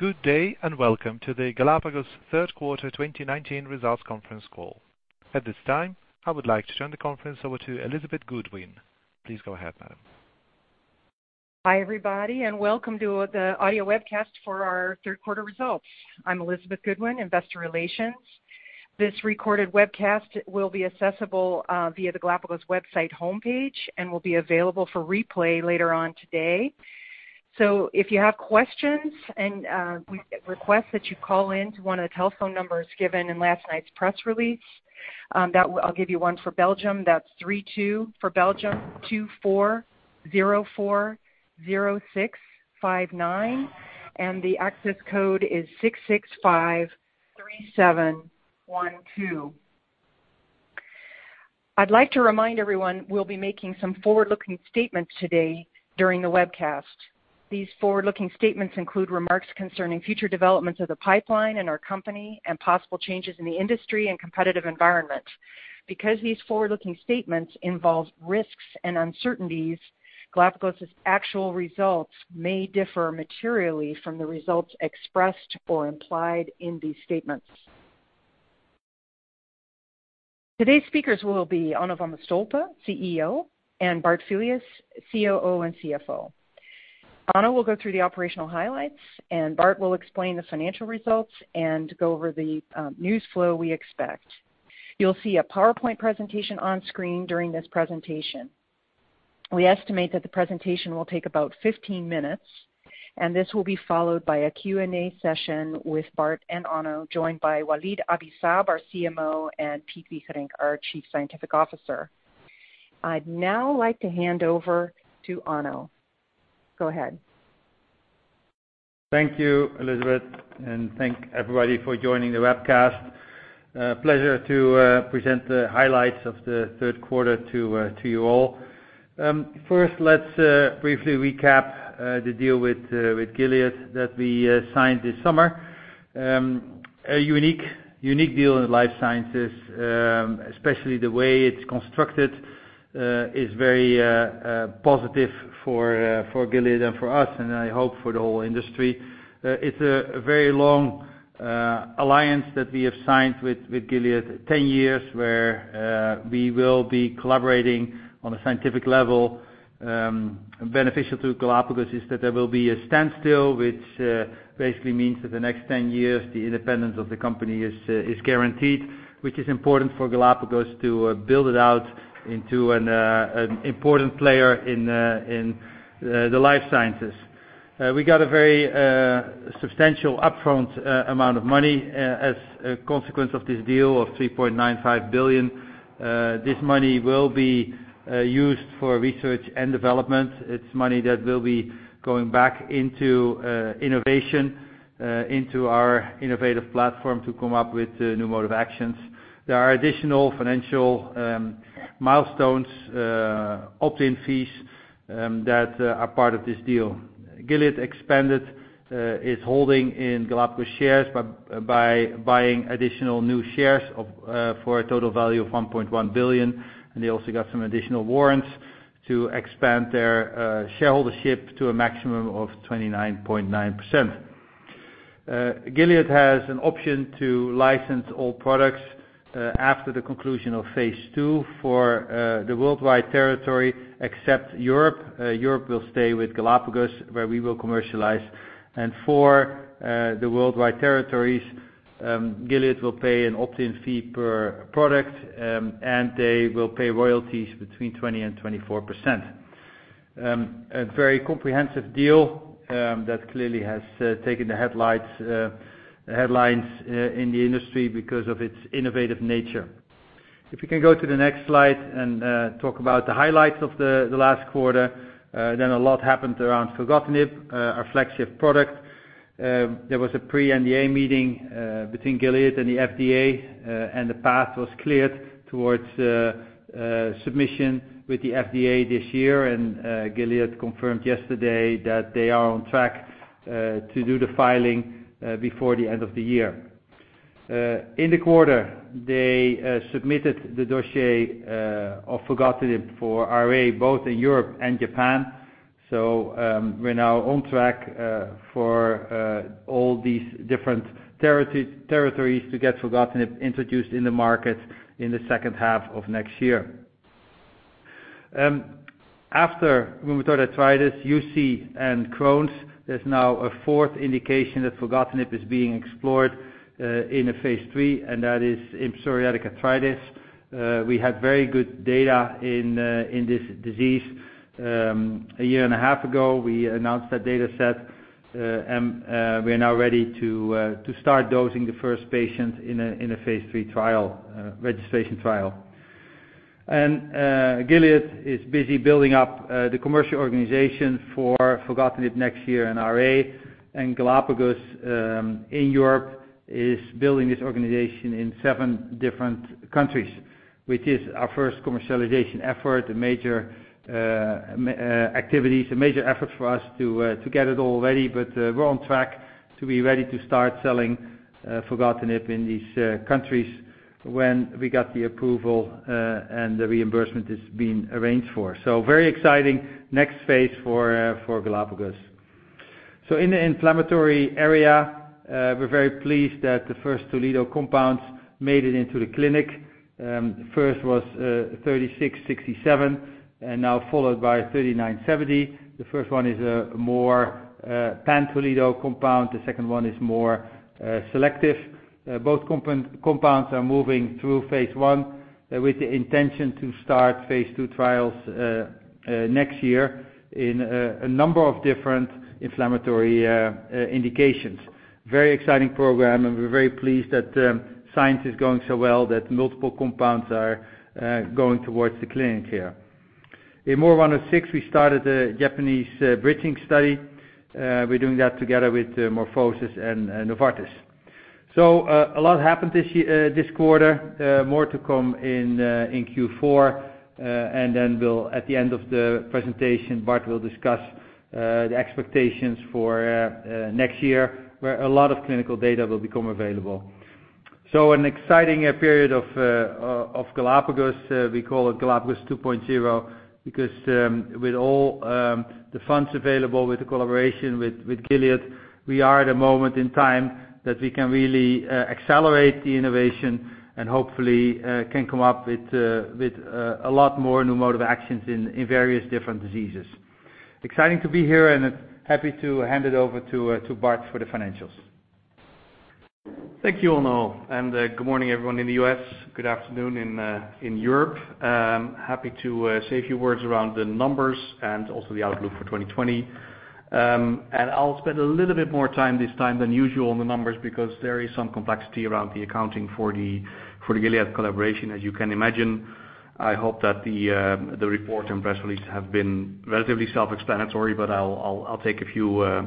Good day, and welcome to the Galapagos third quarter 2019 results conference call. At this time, I would like to turn the conference over to Elizabeth Goodwin. Please go ahead, madam. Hi, everybody, and welcome to the audio webcast for our third quarter results. I'm Elizabeth Goodwin, investor relations. This recorded webcast will be accessible via the Galapagos website homepage and will be available for replay later on today. If you have questions, we request that you call in to one of the telephone numbers given in last night's press release. I'll give you one for Belgium. That's 32, for Belgium, 2404-0659, and the access code is 6653712. I'd like to remind everyone we'll be making some forward-looking statements today during the webcast. These forward-looking statements include remarks concerning future developments of the pipeline and our company and possible changes in the industry and competitive environment. Because these forward-looking statements involve risks and uncertainties, Galapagos's actual results may differ materially from the results expressed or implied in these statements. Today's speakers will be Onno van de Stolpe, CEO, and Bart Filius, COO and CFO. Onno will go through the operational highlights, and Bart will explain the financial results and go over the news flow we expect. You'll see a PowerPoint presentation on screen during this presentation. We estimate that the presentation will take about 15 minutes, and this will be followed by a Q&A session with Bart and Onno, joined by Walid Abi-Saab, our CMO, and Piet Buyck, our Chief Scientific Officer. I'd now like to hand over to Onno. Go ahead. Thank you, Elizabeth, and thank everybody for joining the webcast. A pleasure to present the highlights of the third quarter to you all. Let's briefly recap the deal with Gilead that we signed this summer. A unique deal in life sciences, especially the way it's constructed, is very positive for Gilead and for us, and I hope for the whole industry. It's a very long alliance that we have signed with Gilead, 10 years, where we will be collaborating on a scientific level. Beneficial to Galapagos is that there will be a standstill, which basically means that the next 10 years, the independence of the company is guaranteed, which is important for Galapagos to build it out into an important player in the life sciences. We got a very substantial upfront amount of money as a consequence of this deal of $3.95 billion. This money will be used for research and development. It's money that will be going back into innovation, into our innovative platform to come up with new mode of actions. There are additional financial milestones, opt-in fees, that are part of this deal. Gilead expanded its holding in Galapagos shares by buying additional new shares for a total value of 1.1 billion, and they also got some additional warrants to expand their shareholdership to a maximum of 29.9%. Gilead has an option to license all products after the conclusion of phase II for the worldwide territory except Europe. Europe will stay with Galapagos, where we will commercialize. For the worldwide territories, Gilead will pay an opt-in fee per product, and they will pay royalties between 20% and 24%. A very comprehensive deal that clearly has taken the headlines in the industry because of its innovative nature. If you can go to the next slide and talk about the highlights of the last quarter, a lot happened around filgotinib, our flagship product. There was a pre-NDA meeting between Gilead and the FDA. The path was cleared towards submission with the FDA this year. Gilead confirmed yesterday that they are on track to do the filing before the end of the year. In the quarter, they submitted the dossier of filgotinib for RA, both in Europe and Japan. We're now on track for all these different territories to get filgotinib introduced in the market in the second half of next year. After rheumatoid arthritis, UC, and Crohn's, there's now a fourth indication that filgotinib is being explored in a phase III, that is in psoriatic arthritis. We had very good data in this disease. A year and a half ago, we announced that data set, we're now ready to start dosing the first patient in a phase III trial, registration trial. Gilead is busy building up the commercial organization for filgotinib next year in RA, Galapagos in Europe is building this organization in seven different countries, which is our first commercialization effort, a major activity. It's a major effort for us to get it all ready, but we're on track to be ready to start selling filgotinib in these countries when we got the approval, and the reimbursement is being arranged for. Very exciting next phase for Galapagos. In the inflammatory area, we're very pleased that the first Toledo compounds made it into the clinic. First was 3667, and now followed by 3970. The first one is a more pan-Toledo compound, the second one is more selective. Both compounds are moving through phase I, with the intention to start phase II trials next year in a number of different inflammatory indications. Very exciting program. We're very pleased that science is going so well that multiple compounds are going towards the clinic here. In MOR106, we started a Japanese bridging study. We're doing that together with MorphoSys and Novartis. A lot happened this quarter. More to come in Q4. At the end of the presentation, Bart will discuss the expectations for next year, where a lot of clinical data will become available. An exciting period of Galapagos. We call it Galapagos 2.0 because with all the funds available, with the collaboration with Gilead, we are at a moment in time that we can really accelerate the innovation and hopefully can come up with a lot more novel modes of actions in various different diseases. Exciting to be here, and happy to hand it over to Bart for the financials. Thank you, Onno, good morning everyone in the U.S. Good afternoon in Europe. Happy to say a few words around the numbers and also the outlook for 2020. I'll spend a little bit more time this time than usual on the numbers, because there is some complexity around the accounting for the Gilead collaboration, as you can imagine. I hope that the report and press release have been relatively self-explanatory, but I'll take a few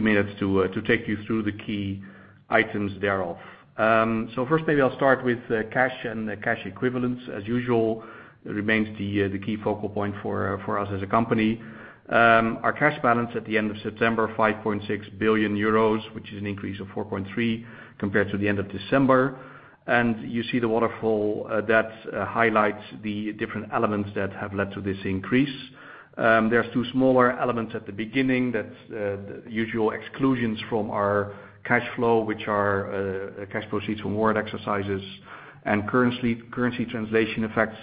minutes to take you through the key items thereof. First, maybe I'll start with cash and cash equivalents. As usual, it remains the key focal point for us as a company. Our cash balance at the end of September, 5.6 billion euros, which is an increase of 4.3 compared to the end of December. You see the waterfall that highlights the different elements that have led to this increase. There's two smaller elements at the beginning that's the usual exclusions from our cash flow, which are cash proceeds from warrant exercises and currency translation effects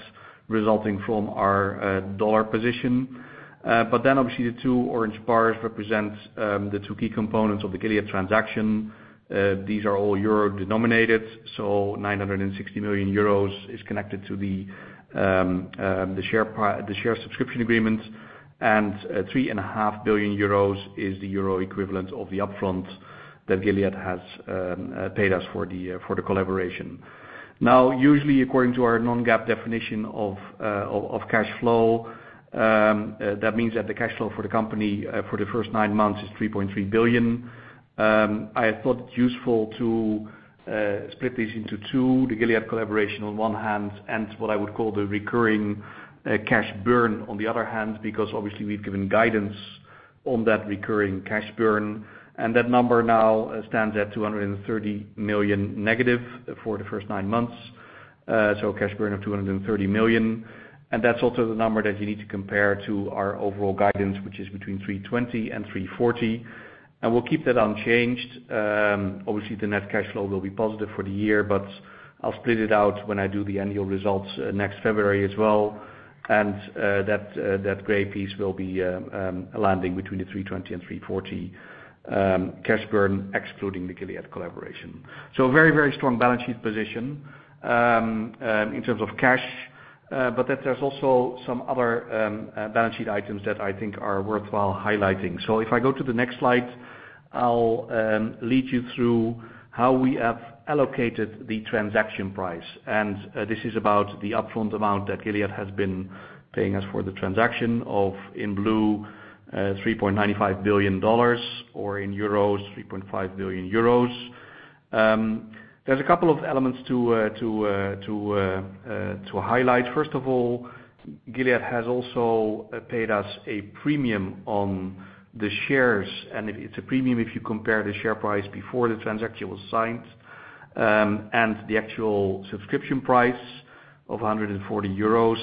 resulting from our dollar position. Obviously the two orange bars represent the two key components of the Gilead transaction. These are all euro denominated, 960 million euros is connected to the share subscription agreement. 3.5 billion euros is the euro equivalent of the upfront that Gilead has paid us for the collaboration. Usually according to our non-GAAP definition of cash flow, that means that the cash flow for the company for the first nine months is 3.3 billion. I thought it useful to split this into two, the Gilead collaboration on one hand, and what I would call the recurring cash burn on the other hand, because obviously we've given guidance on that recurring cash burn, and that number now stands at 230 million negative for the first nine months. Cash burn of 230 million, and that's also the number that you need to compare to our overall guidance, which is between 320 million and 340 million, and we'll keep that unchanged. Obviously, the net cash flow will be positive for the year, but I'll split it out when I do the annual results next February as well. That gray piece will be landing between the 320 million and 340 million cash burn, excluding the Gilead collaboration. A very strong balance sheet position in terms of cash, but that there's also some other balance sheet items that I think are worthwhile highlighting. If I go to the next slide, I'll lead you through how we have allocated the transaction price. This is about the upfront amount that Gilead has been paying us for the transaction of, in blue, $3.95 billion, or in euros, 3.5 billion euros. There's a couple of elements to highlight. First of all, Gilead has also paid us a premium on the shares, and it's a premium if you compare the share price before the transaction was signed, and the actual subscription price of 140 euros.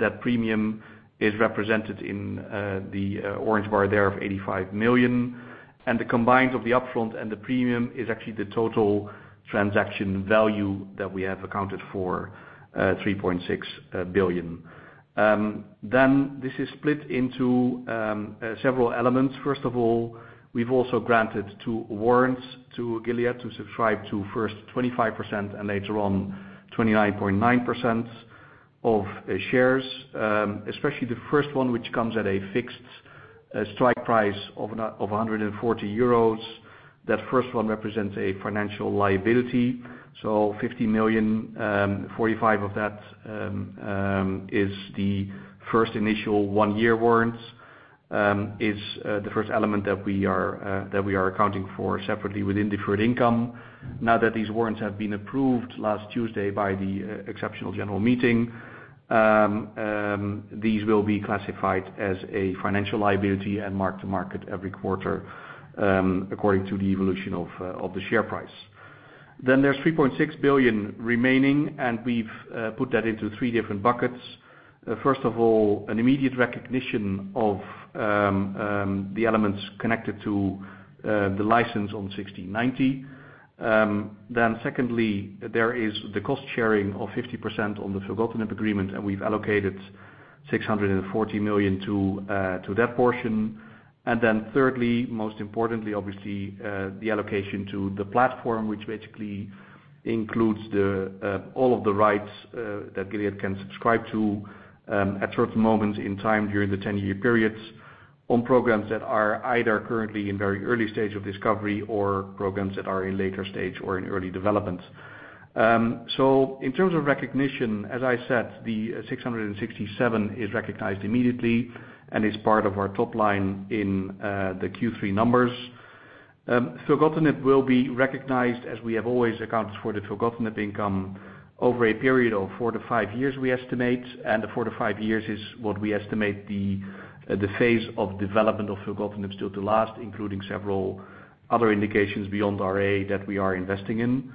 That premium is represented in the orange bar there of 85 million. The combined of the upfront and the premium is actually the total transaction value that we have accounted for, 3.6 billion. This is split into several elements. First of all, we've also granted two warrants to Gilead to subscribe to first 25% and later on 29.9% of shares. Especially the first one, which comes at a fixed strike price of 140 euros. That first one represents a financial liability. 50 million, 45 of that is the first initial one-year warrants, is the first element that we are accounting for separately within deferred income. Now that these warrants have been approved last Tuesday by the exceptional general meeting, these will be classified as a financial liability and marked to market every quarter, according to the evolution of the share price. There's 3.6 billion remaining, and we've put that into three different buckets. First of all, an immediate recognition of the elements connected to the license on 1690. Secondly, there is the cost-sharing of 50% on the filgotinib agreement. We've allocated 640 million to that portion. Thirdly, most importantly, obviously, the allocation to the platform, which basically includes all of the rights that Gilead can subscribe to at certain moments in time during the 10-year periods on programs that are either currently in very early stage of discovery or programs that are in later stage or in early development. In terms of recognition, as I said, the 667 is recognized immediately and is part of our top line in the Q3 numbers. Filgotinib will be recognized as we have always accounted for the filgotinib income over a period of four to five years, we estimate, and the four to five years is what we estimate the phase of development of filgotinib still to last, including several other indications beyond RA that we are investing in.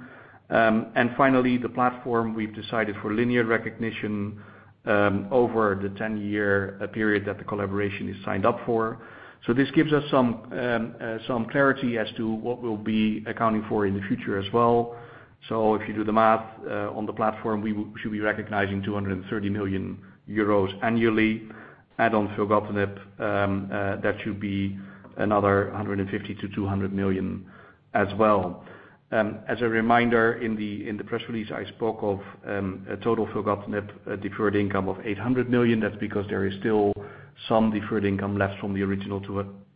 Finally, the platform we've decided for linear recognition over the 10-year period that the collaboration is signed up for. This gives us some clarity as to what we'll be accounting for in the future as well. If you do the math on the platform, we should be recognizing 230 million euros annually. Add on filgotinib, that should be another 150 million-200 million as well. As a reminder, in the press release, I spoke of a total filgotinib deferred income of 800 million. That's because there is still some deferred income left from the original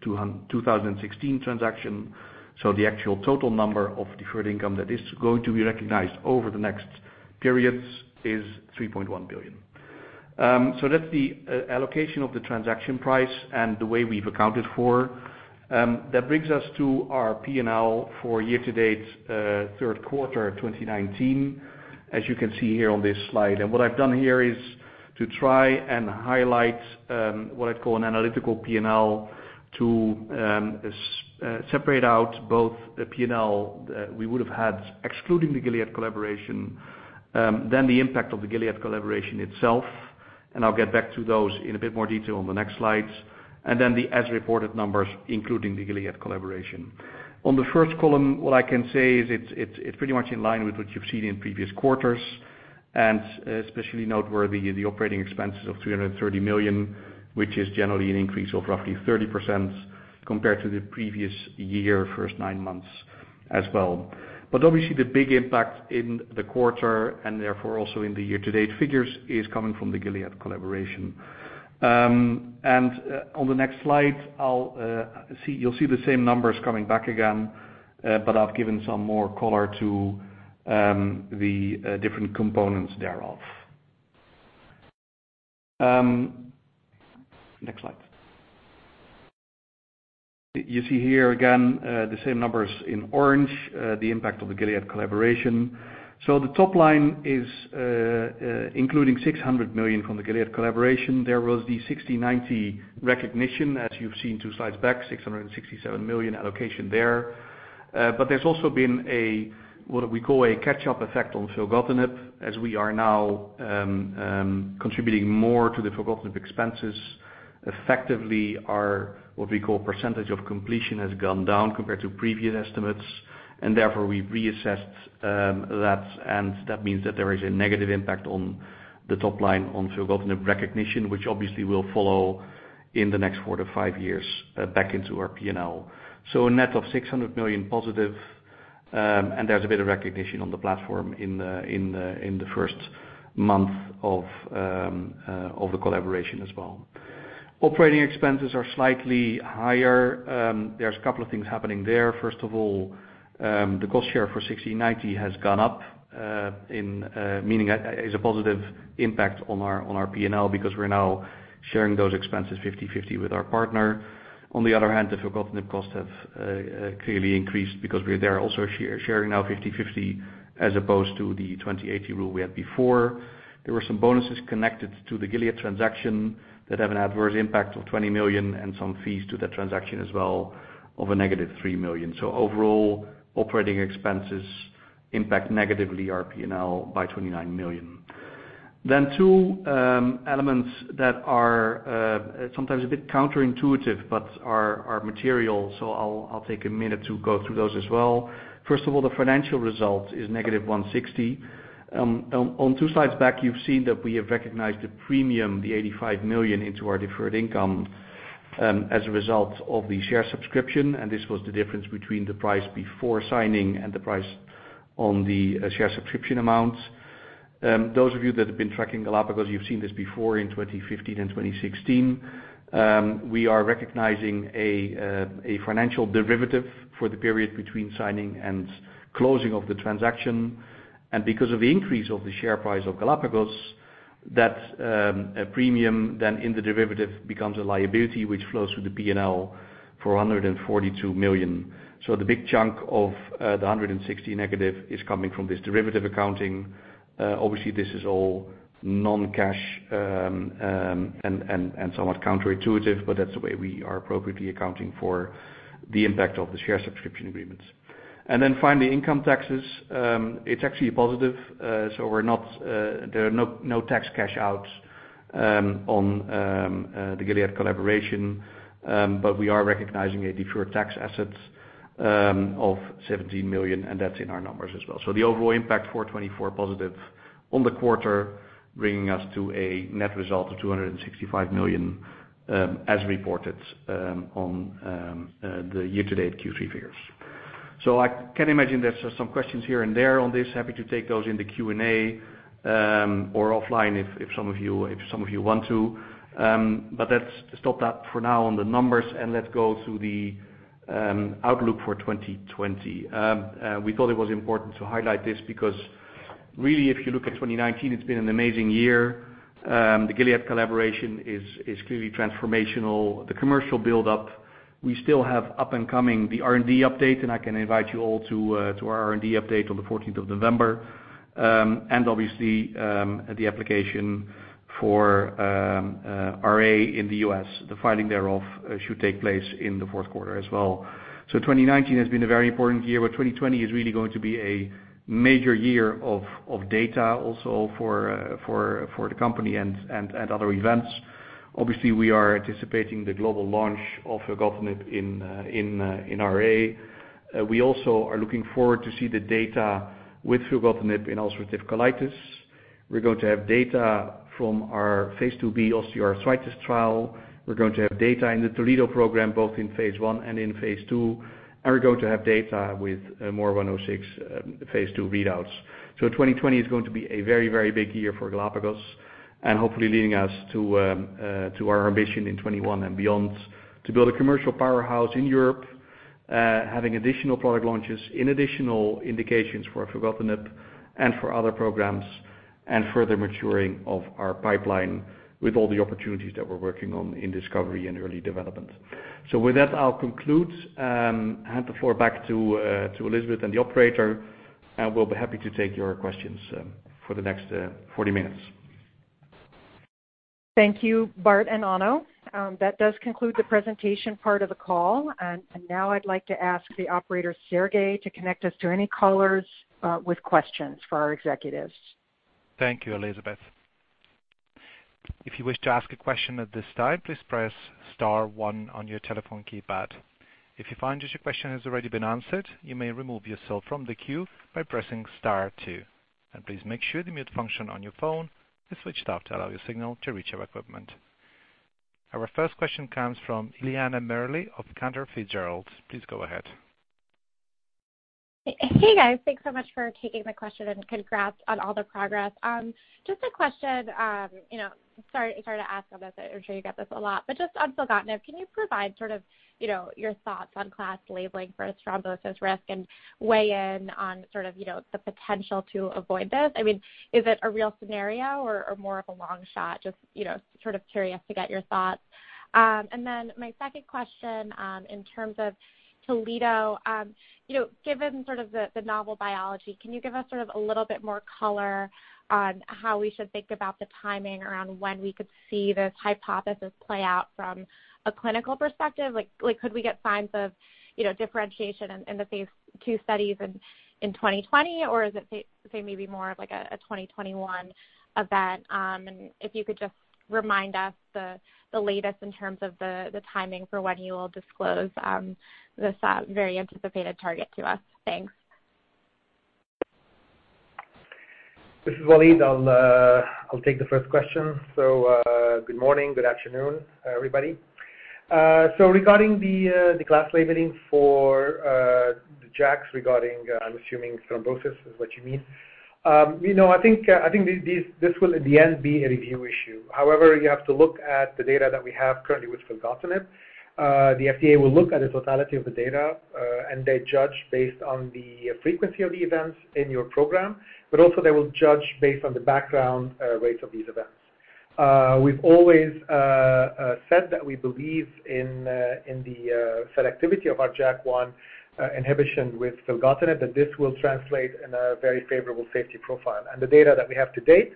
2016 transaction. The actual total number of deferred income that is going to be recognized over the next periods is 3.1 billion. That's the allocation of the transaction price and the way we've accounted for. That brings us to our P&L for year-to-date third quarter 2019, as you can see here on this slide. What I've done here is to try and highlight what I'd call an analytical P&L to separate out both the P&L that we would have had excluding the Gilead collaboration, then the impact of the Gilead collaboration itself. I'll get back to those in a bit more detail on the next slides. Then the as-reported numbers, including the Gilead collaboration. On the first column, what I can say is it's pretty much in line with what you've seen in previous quarters, and especially noteworthy, the operating expenses of 330 million, which is generally an increase of roughly 30% compared to the previous year first nine months as well. Obviously the big impact in the quarter and therefore also in the year-to-date figures is coming from the Gilead collaboration. On the next slide, you'll see the same numbers coming back again. I've given some more color to the different components thereof. Next slide. You see here again, the same numbers in orange, the impact of the Gilead collaboration. The top line is including 600 million from the Gilead collaboration. There was the 1690 recognition, as you've seen two slides back, 667 million allocation there. There's also been what we call a catch-up effect on filgotinib, as we are now contributing more to the filgotinib expenses. Effectively, our what we call percentage of completion has gone down compared to previous estimates. Therefore, we've reassessed that, and that means that there is a negative impact on the top line on filgotinib recognition, which obviously will follow in the next four to five years back into our P&L. A net of 600 million positive, and there's a bit of recognition on the platform in the first month of the collaboration as well. Operating expenses are slightly higher. There's a couple of things happening there. First of all, the cost share for 1690 has gone up, meaning it's a positive impact on our P&L because we're now sharing those expenses 50/50 with our partner. On the other hand, the filgotinib costs have clearly increased because we're there also sharing now 50/50 as opposed to the 20/80 rule we had before. There were some bonuses connected to the Gilead transaction that have an adverse impact of 20 million and some fees to that transaction as well of a negative 3 million. Overall, operating expenses impact negatively our P&L by 29 million. Two elements that are sometimes a bit counterintuitive but are material. I'll take a minute to go through those as well. First of all, the financial result is negative 160. On two slides back, you've seen that we have recognized the premium, the 85 million into our deferred income as a result of the share subscription, and this was the difference between the price before signing and the price on the share subscription amounts. Those of you that have been tracking Galapagos, you've seen this before in 2015 and 2016. We are recognizing a financial derivative for the period between signing and closing of the transaction. Because of the increase of the share price of Galapagos, that premium then in the derivative becomes a liability which flows through the P&L for 142 million. The big chunk of the 160 negative is coming from this derivative accounting. Obviously, this is all non-cash and somewhat counterintuitive, but that's the way we are appropriately accounting for the impact of the share subscription agreements. Finally, income taxes, it's actually a positive. There are no tax cash outs on the Gilead collaboration, but we are recognizing a deferred tax asset of 17 million, and that's in our numbers as well. The overall impact, 424+ on the quarter, bringing us to a net result of 265 million, as reported on the year-to-date Q3 figures. Happy to take those in the Q&A or offline if some of you want to. Let's stop that for now on the numbers and let's go to the outlook for 2020. We thought it was important to highlight this because really, if you look at 2019, it's been an amazing year. The Gilead collaboration is clearly transformational. The commercial build-up, we still have up and coming the R&D update, and I can invite you all to our R&D update on the 14th of November. Obviously, the application for RA in the U.S., the filing thereof should take place in the fourth quarter as well. 2019 has been a very important year, but 2020 is really going to be a major year of data also for the company and other events. Obviously, we are anticipating the global launch of filgotinib in RA. We also are looking forward to see the data with filgotinib in ulcerative colitis. We're going to have data from our phase IIb osteoarthritis trial. We're going to have data in the Toledo program, both in phase I and in phase II, and we're going to have data with MOR106 phase II readouts. 2020 is going to be a very big year for Galapagos and hopefully leading us to our ambition in 2021 and beyond to build a commercial powerhouse in Europe, having additional product launches in additional indications for filgotinib and for other programs, and further maturing of our pipeline with all the opportunities that we're working on in discovery and early development. With that, I'll conclude. Hand the floor back to Elizabeth and the operator, and we'll be happy to take your questions for the next 40 minutes. Thank you, Bart and Onno. That does conclude the presentation part of the call. Now I'd like to ask the operator, Sergey, to connect us to any callers with questions for our executives. Thank you, Elizabeth. If you wish to ask a question at this time, please press star one on your telephone keypad. If you find that your question has already been answered, you may remove yourself from the queue by pressing star two. Please make sure the mute function on your phone is switched off to allow your signal to reach our equipment. Our first question comes from Eliana Merle of Cantor Fitzgerald. Please go ahead. Hey, guys. Thanks so much for taking my question, and congrats on all the progress. Just a question, sorry to ask on this. I'm sure you get this a lot. Just on filgotinib, can you provide your thoughts on class labeling for thrombosis risk and weigh in on the potential to avoid this? Is it a real scenario or more of a long shot? Just curious to get your thoughts. My second question, in terms of Toledo, given sort of the novel biology, can you give us a little bit more color on how we should think about the timing around when we could see this hypothesis play out from a clinical perspective? Could we get signs of differentiation in the phase II studies in 2020, or is it, say, maybe more of like a 2021 event? If you could just remind us the latest in terms of the timing for when you will disclose this very anticipated target to us. Thanks. This is Walid. I'll take the first question. Good morning, good afternoon, everybody. Regarding the class labeling for the JAKs regarding, I'm assuming thrombosis is what you mean. I think this will, in the end, be a review issue. However, you have to look at the data that we have currently with filgotinib. The FDA will look at the totality of the data, and they judge based on the frequency of the events in your program, but also they will judge based on the background rates of these events. We've always said that we believe in the selectivity of our JAK1 inhibition with filgotinib, that this will translate in a very favorable safety profile. The data that we have to date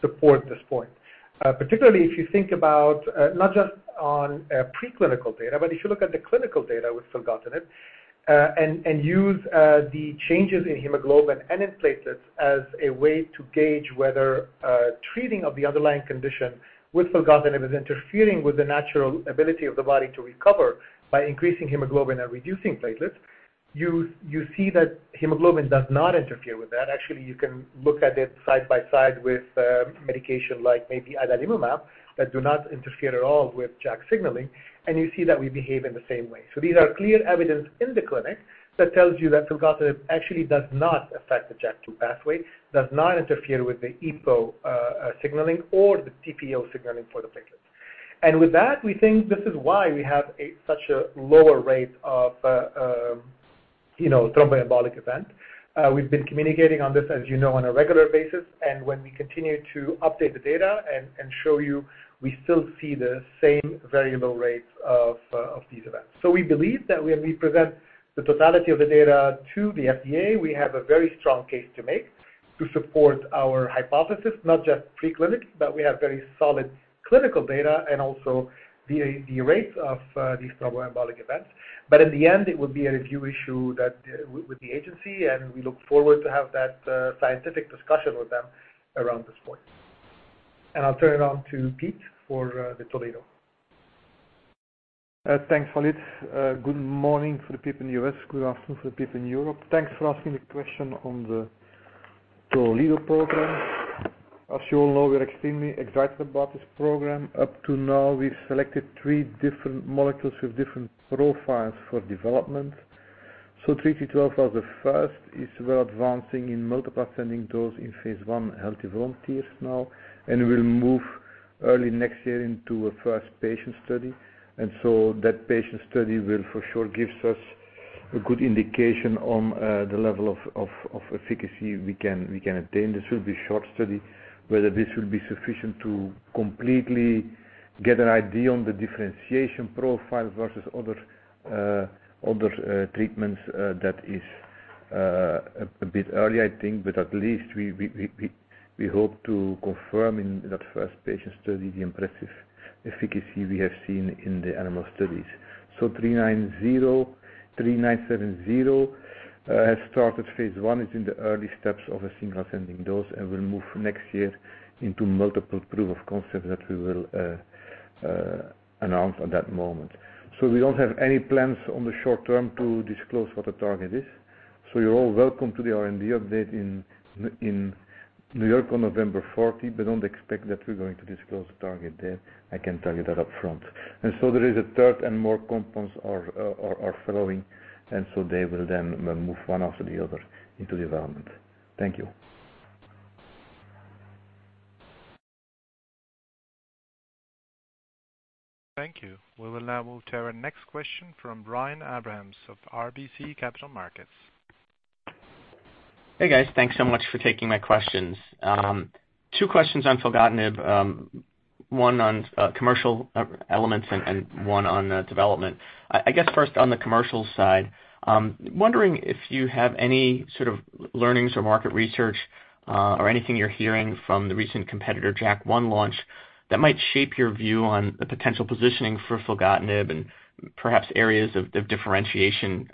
support this point. Particularly if you think about not just on preclinical data, but if you look at the clinical data with filgotinib and use the changes in hemoglobin and in platelets as a way to gauge whether treating of the underlying condition with filgotinib is interfering with the natural ability of the body to recover by increasing hemoglobin and reducing platelets, you see that hemoglobin does not interfere with that. Actually, you can look at it side by side with a medication like maybe adalimumab that do not interfere at all with JAK signaling, and you see that we behave in the same way. These are clear evidence in the clinic that tells you that filgotinib actually does not affect the JAK2 pathway, does not interfere with the EPO signaling or the TPO signaling for the platelets. With that, we think this is why we have such a lower rate of thromboembolic event. We've been communicating on this, as you know, on a regular basis, and when we continue to update the data and show you, we still see the same very low rates of these events. We believe that when we present the totality of the data to the FDA, we have a very strong case to make. To support our hypothesis, not just pre-clinic, but we have very solid clinical data and also the rates of these thromboembolic events. In the end, it will be a review issue with the agency, and we look forward to have that scientific discussion with them around this point. I'll turn it on to Piet for the Toledo. Thanks, Walid. Good morning to the people in the U.S. Good afternoon to the people in Europe. Thanks for asking the question on the Toledo program. As you all know, we're extremely excited about this program. Up to now, we've selected three different molecules with different profiles for development. GLPG3312 as the first is we're advancing in multiple ascending dose in Phase I healthy volunteers now, and will move early next year into a first patient study. That patient study will for sure give us a good indication on the level of efficacy we can attain. This will be a short study. Whether this will be sufficient to completely get an idea on the differentiation profile versus other treatments, that is a bit early, I think, but at least we hope to confirm in that first patient study the impressive efficacy we have seen in the animal studies. GLPG3970 has started phase I. It's in the early steps of a single ascending dose and will move next year into multiple proof of concept that we will announce at that moment. We don't have any plans on the short-term to disclose what the target is. You're all welcome to the R&D update in New York on November 14th, but don't expect that we're going to disclose the target there. I can tell you that up front. There is a third and more compounds are following, and so they will then move one after the other into development. Thank you. Thank you. We will now move to our next question from Brian Abrahams of RBC Capital Markets. Hey, guys. Thanks so much for taking my questions. Two questions on filgotinib. One on commercial elements and one on development. I guess first on the commercial side, I'm wondering if you have any sort of learnings or market research, or anything you're hearing from the recent competitor JAK1 launch that might shape your view on the potential positioning for filgotinib and perhaps areas of differentiation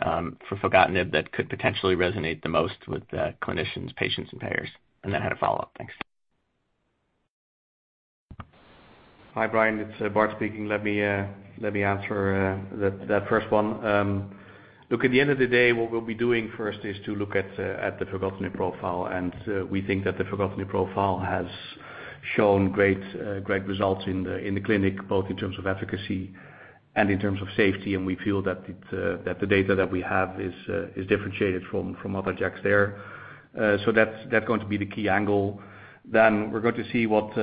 for filgotinib that could potentially resonate the most with clinicians, patients, and payers. I had a follow-up. Thanks. Hi, Brian, it's Bart speaking. Let me answer that first one. Look, at the end of the day, what we'll be doing first is to look at the filgotinib profile, we think that the filgotinib profile has shown great results in the clinic, both in terms of efficacy and in terms of safety, we feel that the data that we have is differentiated from other JAKs there. That's going to be the key angle. We're going to see what,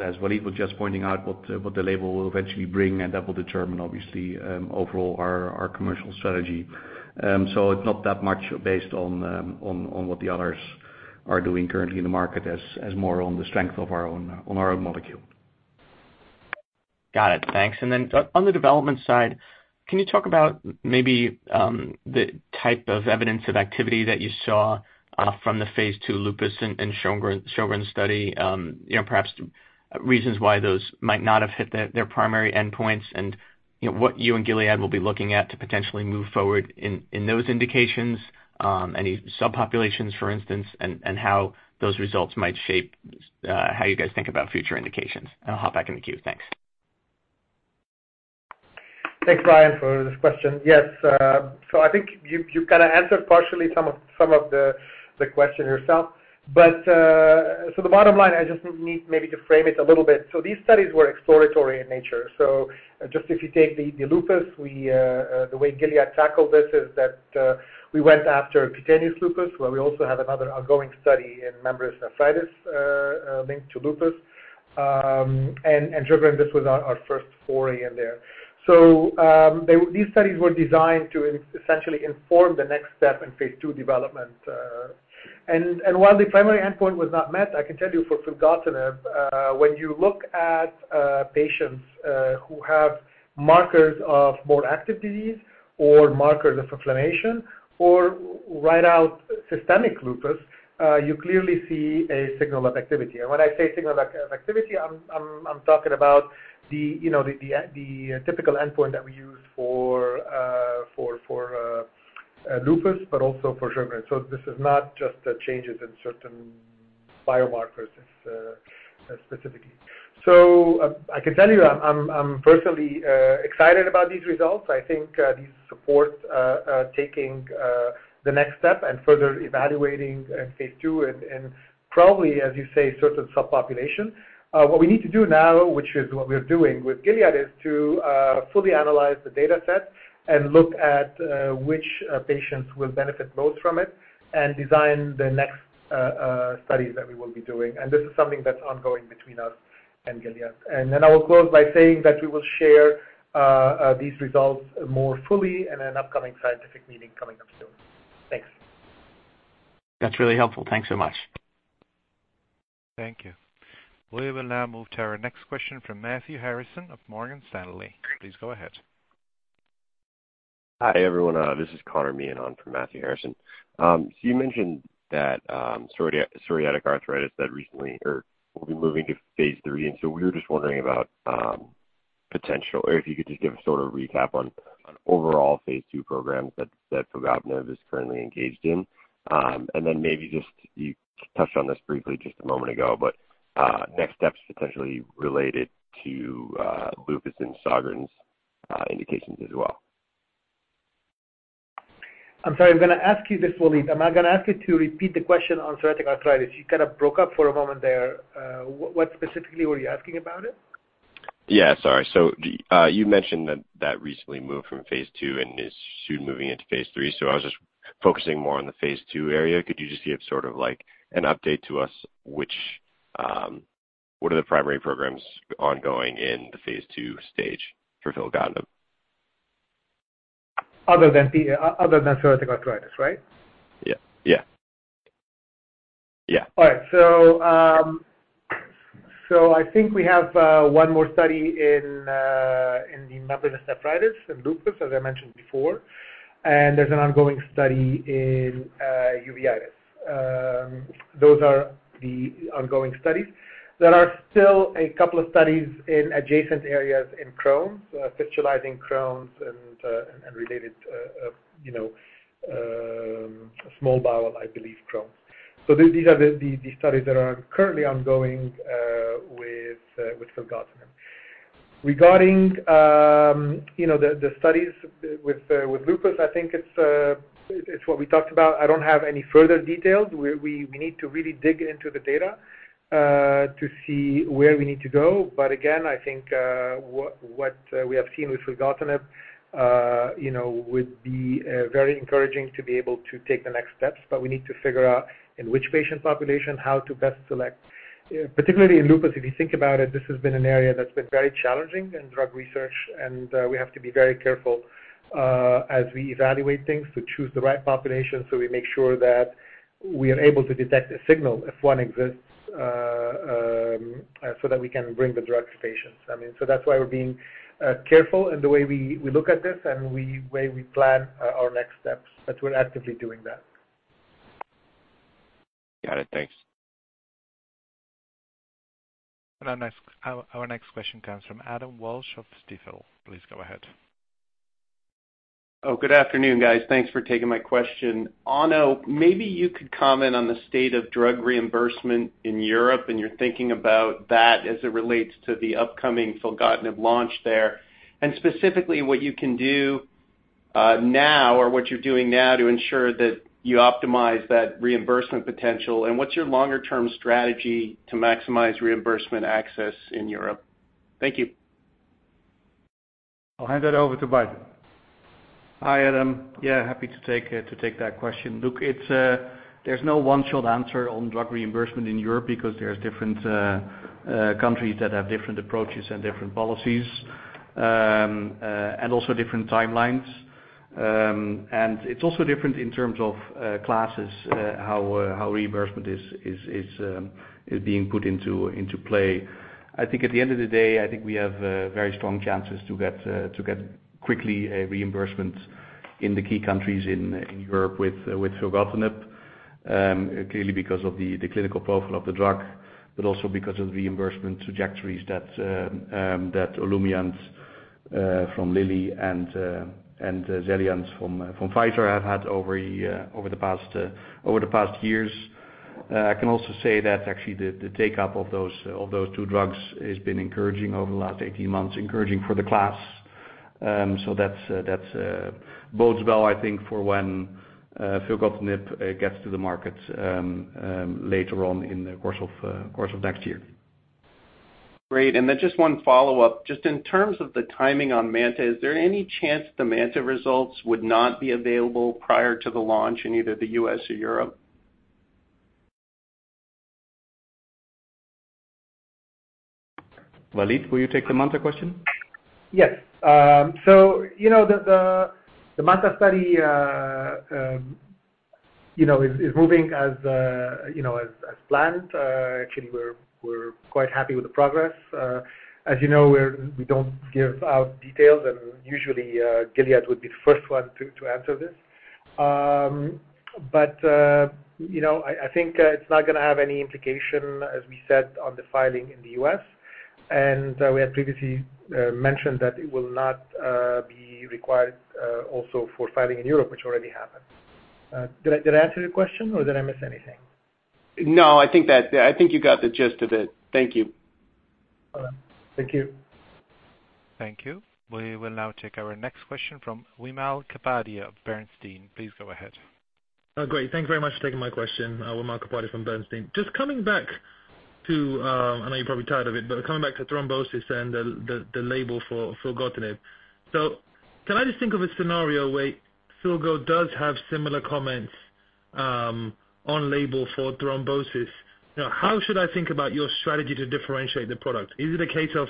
as Walid was just pointing out, what the label will eventually bring, that will determine obviously, overall our commercial strategy. It's not that much based on what the others are doing currently in the market as more on the strength of our own molecule. Got it. Thanks. On the development side, can you talk about maybe the type of evidence of activity that you saw from the phase II lupus and Sjögren's study, perhaps reasons why those might not have hit their primary endpoints and what you and Gilead will be looking at to potentially move forward in those indications, any subpopulations, for instance, and how those results might shape how you guys think about future indications. I'll hop back in the queue. Thanks. Thanks, Brian, for this question. Yes. I think you answered partially some of the question yourself. The bottom line, I just need maybe to frame it a little bit. These studies were exploratory in nature. Just if you take the lupus, the way Gilead tackled this is that we went after cutaneous lupus, where we also have another ongoing study in membranous lupus nephritis. Sjögren's, this was our first foray in there. These studies were designed to essentially inform the next step in phase II development. While the primary endpoint was not met, I can tell you for filgotinib, when you look at patients who have markers of more active disease or markers of inflammation or right out systemic lupus, you clearly see a signal of activity. When I say signal of activity, I'm talking about the typical endpoint that we use for lupus, but also for Sjögren's. This is not just changes in certain biomarkers specifically. I can tell you, I'm personally excited about these results. I think these support taking the next step and further evaluating in phase II and probably, as you say, certain subpopulations. What we need to do now, which is what we're doing with Gilead, is to fully analyze the data set and look at which patients will benefit most from it and design the next studies that we will be doing. This is something that's ongoing between us and Gilead. Then I will close by saying that we will share these results more fully in an upcoming scientific meeting coming up soon. Thanks. That's really helpful. Thanks so much. Thank you. We will now move to our next question from Matthew Harrison of Morgan Stanley. Please go ahead. Hi, everyone. This is Conor de Mari on for Matthew Harrison. you mentioned that psoriatic arthritis that recently Or will be moving to phase III. we were just wondering about potential, or if you could just give a recap on overall phase II programs that filgotinib is currently engaged in. then maybe just, you touched on this briefly just a moment ago, but next steps potentially related to lupus and Sjogren's indications as well. I'm sorry, I'm going to ask you this, Walid. I'm now going to ask you to repeat the question on psoriatic arthritis. You kind of broke up for a moment there. What specifically were you asking about it? Yeah, sorry. You mentioned that that recently moved from phase II and is soon moving into phase III, so I was just focusing more on the phase II area. Could you just give sort of an update to us, what are the primary programs ongoing in the phase II stage for filgotinib? Other than psoriatic arthritis, right? Yeah. All right. I think we have one more study in the lupus nephritis and lupus, as I mentioned before, and there's an ongoing study in uveitis. Those are the ongoing studies. There are still a couple of studies in adjacent areas in Crohn's, fistulizing Crohn's and related, small bowel, I believe, Crohn's. These are the studies that are currently ongoing with filgotinib. Regarding the studies with lupus, I think it's what we talked about. I don't have any further details. We need to really dig into the data, to see where we need to go. Again, I think, what we have seen with filgotinib would be very encouraging to be able to take the next steps. We need to figure out in which patient population, how to best select. Particularly in lupus, if you think about it, this has been an area that's been very challenging in drug research, and we have to be very careful as we evaluate things to choose the right population so we make sure that we are able to detect a signal, if one exists, so that we can bring the drug to patients. That's why we're being careful in the way we look at this and way we plan our next steps. We're actively doing that. Got it. Thanks. Our next question comes from Adam Walsh of Stifel. Please go ahead. Good afternoon, guys. Thanks for taking my question. Onno, maybe you could comment on the state of drug reimbursement in Europe, and you're thinking about that as it relates to the upcoming filgotinib launch there. Specifically, what you can do now or what you're doing now to ensure that you optimize that reimbursement potential, and what's your longer-term strategy to maximize reimbursement access in Europe? Thank you. I'll hand that over to Bart. Hi, Adam. Yeah, happy to take that question. Look, there's no one short answer on drug reimbursement in Europe because there's different countries that have different approaches and different policies, and also different timelines. It's also different in terms of classes, how reimbursement is being put into play. I think at the end of the day, I think we have very strong chances to get quickly reimbursement in the key countries in Europe with filgotinib, clearly because of the clinical profile of the drug, but also because of reimbursement trajectories that Olumiant from Lilly and Xeljanz from Pfizer have had over the past years. I can also say that actually the take-up of those two drugs has been encouraging over the last 18 months, encouraging for the class. That bodes well, I think, for when filgotinib gets to the market later on in the course of next year. Great. Just one follow-up. Just in terms of the timing on MANTA, is there any chance the MANTA results would not be available prior to the launch in either the U.S. or Europe? Walid, will you take the MANTA question? Yes. The MANTA study is moving as planned. Actually, we're quite happy with the progress. As you know, we don't give out details and usually, Gilead would be the first one to answer this. I think it's not going to have any implication, as we said, on the filing in the U.S., and we had previously mentioned that it will not be required also for filing in Europe, which already happened. Did I answer your question or did I miss anything? I think you got the gist of it. Thank you. All right. Thank you. Thank you. We will now take our next question from Wimal Kapadia of Bernstein. Please go ahead. Oh, great. Thank you very much for taking my question. Wimal Kapadia from Bernstein. Coming back to, I know you're probably tired of it, but coming back to thrombosis and the label for filgotinib. Can I just think of a scenario where filgo does have similar comments on label for thrombosis? How should I think about your strategy to differentiate the product? Is it a case of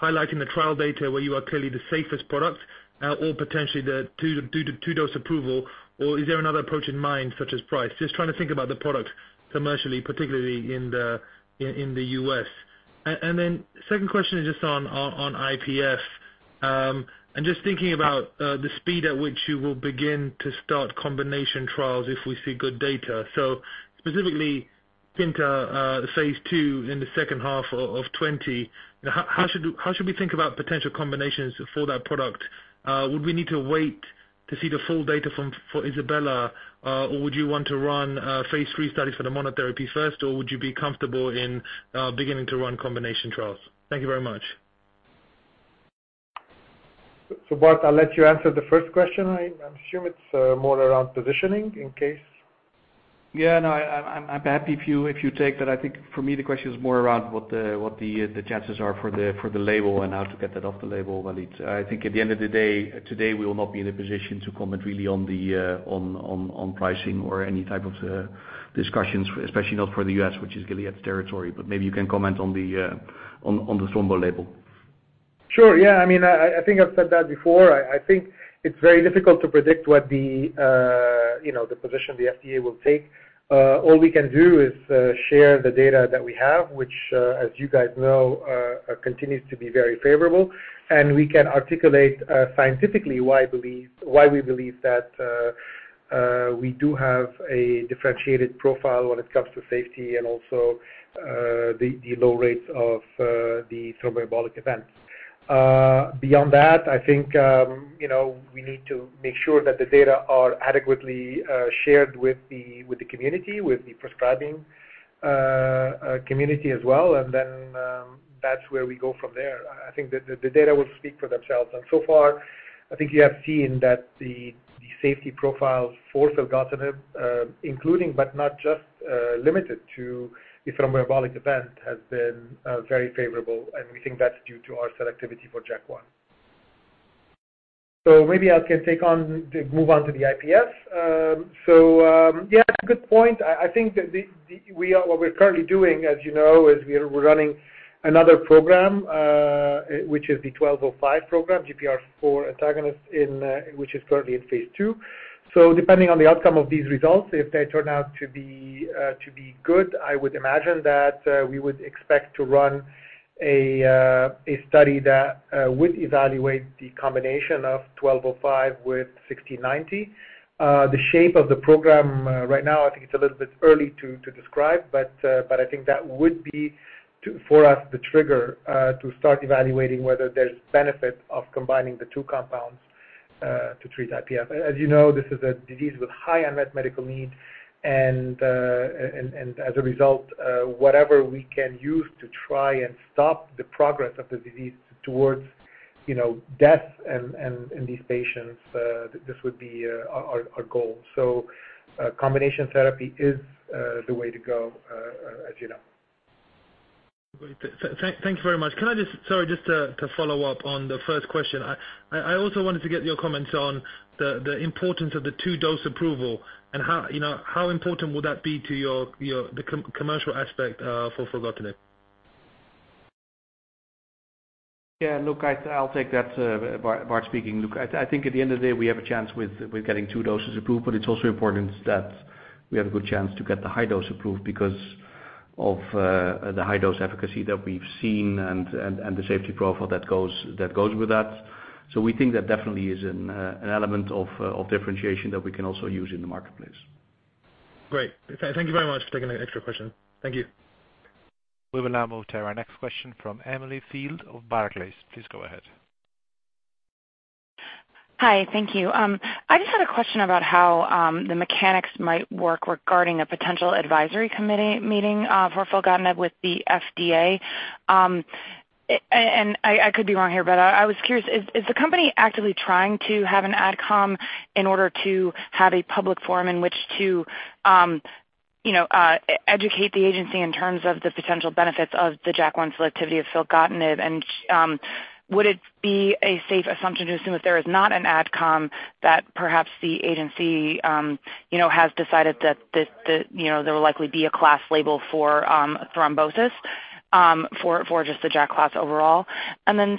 highlighting the trial data where you are clearly the safest product or potentially the two-dose approval, or is there another approach in mind, such as price? Trying to think about the product commercially, particularly in the U.S. Second question is just on IPF. Just thinking about the speed at which you will begin to start combination trials if we see good data. Specifically, PINTA phase II in the second half of 2020. How should we think about potential combinations for that product? Would we need to wait to see the full data for ISABELA, or would you want to run a phase III study for the monotherapy first, or would you be comfortable in beginning to run combination trials? Thank you very much. Bart, I'll let you answer the first question. I'm assume it's more around positioning in case. Yeah, no, I'm happy if you take that. I think for me, the question is more around what the chances are for the label and how to get that off the label, Walid. I think at the end of the day, today, we will not be in a position to comment really on pricing or any type of discussions, especially not for the U.S., which is Gilead's territory. Maybe you can comment on the thrombo label. Sure. Yeah, I think I've said that before. I think it's very difficult to predict what the position the FDA will take. All we can do is share the data that we have, which, as you guys know continues to be very favorable. We can articulate scientifically why we believe that we do have a differentiated profile when it comes to safety and also the low rates of the thromboembolic events. Beyond that, I think, we need to make sure that the data are adequately shared with the community, with the prescribing community as well, and then that's where we go from there. I think the data will speak for themselves. So far, I think you have seen that the safety profiles for filgotinib, including, but not just limited to the thromboembolic event, has been very favorable, and we think that's due to our selectivity for JAK1. Maybe I can take on, move on to the IPF. Yeah, good point. I think what we're currently doing, as you know, is we're running another program, which is the GLPG1205 program, GPR84 antagonist, which is currently in phase II. Depending on the AdCom of these results, if they turn out to be good, I would imagine that we would expect to run a study that would evaluate the combination of GLPG1205 with 1690. The shape of the program right now, I think it's a little bit early to describe, but I think that would be, for us, the trigger to start evaluating whether there's benefit of combining the two compounds to treat IPF. As you know, this is a disease with high unmet medical needs, as a result, whatever we can use to try and stop the progress of the disease towards death and these patients, this would be our goal. Combination therapy is the way to go, as you know. Great. Thank you very much. Sorry, just to follow up on the first question. I also wanted to get your comments on the importance of the two-dose approval and how important will that be to the commercial aspect for filgotinib. Yeah. Look, I'll take that. Bart speaking. Look, I think at the end of the day, we have a chance with getting two doses approved, but it's also important that we have a good chance to get the high dose approved because of the high-dose efficacy that we've seen and the safety profile that goes with that. We think that definitely is an element of differentiation that we can also use in the marketplace. Great. Thank you very much for taking the extra question. Thank you. We will now move to our next question from Emily Field of Barclays. Please go ahead. Hi, thank you. I just had a question about how the mechanics might work regarding a potential advisory committee meeting for filgotinib with the FDA. I could be wrong here, but I was curious, is the company actively trying to have an AdCom in order to have a public forum in which to educate the agency in terms of the potential benefits of the JAK1 selectivity of filgotinib, and would it be a safe assumption to assume if there is not an AdCom that perhaps the agency has decided that there will likely be a class label for thrombosis for just the JAK class overall?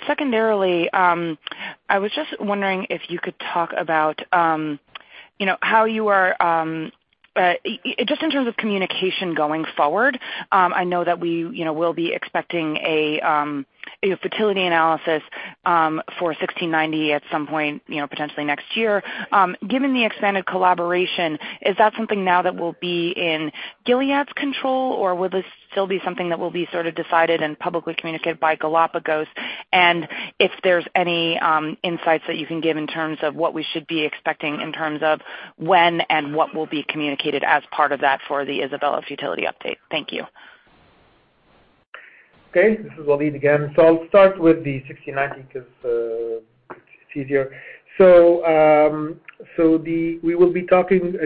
Secondarily, I was just wondering if you could talk about Just in terms of communication going forward, I know that we'll be expecting a futility analysis for 1690 at some point, potentially next year. Given the expanded collaboration, is that something now that will be in Gilead's control, or will this still be something that will be sort of decided and publicly communicated by Galapagos? If there's any insights that you can give in terms of what we should be expecting in terms of when and what will be communicated as part of that for the ISABELA futility update. Thank you. Okay, this is Walid again. I'll start with the 1690 because it's easier. We will be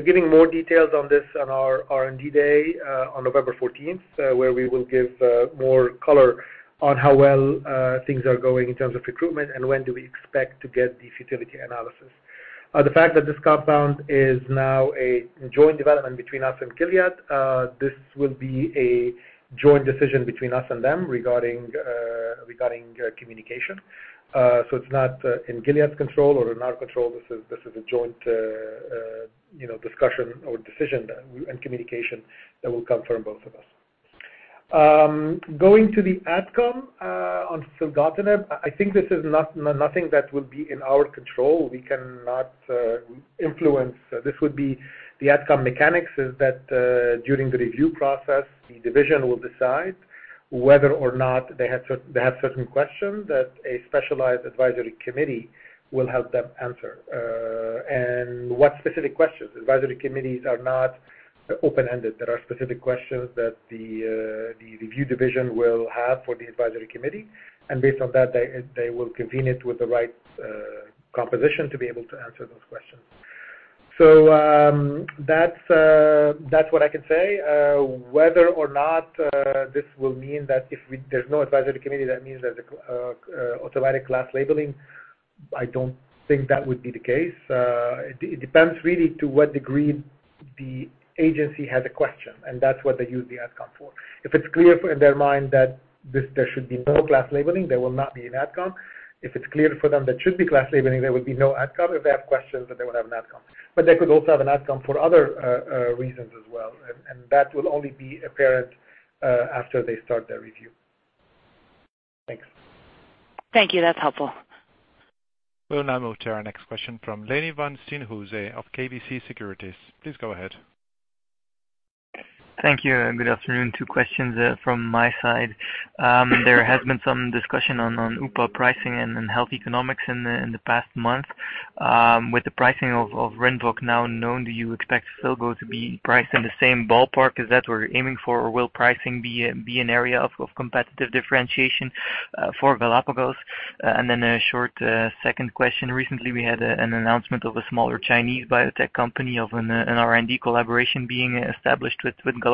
giving more details on this on our R&D day on November 14th, where we will give more color on how well things are going in terms of recruitment and when do we expect to get the futility analysis. The fact that this compound is now a joint development between us and Gilead, this will be a joint decision between us and them regarding communication. It's not in Gilead's control or in our control. This is a joint discussion or decision and communication that will come from both of us. Going to the AdCom on filgotinib, I think this is nothing that will be in our control. We cannot influence. This would be the AdCom mechanics is that during the review process, the division will decide whether or not they have certain questions that a specialized advisory committee will help them answer. What specific questions? Advisory committees are not open-ended. There are specific questions that the review division will have for the advisory committee, and based on that, they will convene it with the right composition to be able to answer those questions. That's what I can say. Whether or not this will mean that if there's no advisory committee, that means there's automatic class labeling. I don't think that would be the case. It depends really to what degree the agency has a question, and that's what they use the AdCom for. If it's clear in their mind that there should be no class labeling, there will not be an AdCom. If it's clear for them there should be class labeling, there would be no AdCom. If they have questions, they would have an AdCom. They could also have an AdCom for other reasons as well, and that will only be apparent after they start their review. Thanks. Thank you. That's helpful. We'll now move to our next question from Lenny Van Steenhuyse of KBC Securities. Please go ahead. Thank you, and good afternoon. Two questions from my side. There has been some discussion on UPA pricing and health economics in the past month. With the pricing of RINVOQ now known, do you expect Filgo to be priced in the same ballpark as that or aiming for, or will pricing be an area of competitive differentiation for Galapagos? A short second question. Recently, we had an announcement of a smaller Chinese biotech company of an R&D collaboration being established with Galapagos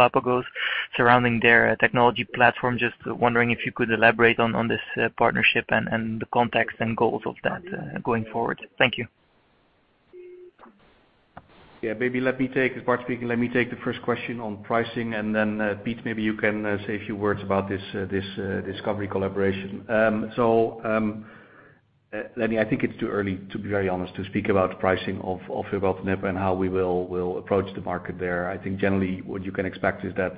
surrounding their technology platform. Just wondering if you could elaborate on this partnership and the context and goals of that going forward. Thank you. Yeah, maybe let me take, as Bart's speaking, let me take the first question on pricing and then, Piet, maybe you can say a few words about this discovery collaboration. Lenny, I think it's too early, to be very honest, to speak about pricing of filgotinib and how we will approach the market there. I think generally what you can expect is that